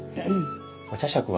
お茶杓は？